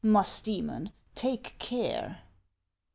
Musdoemon, take care !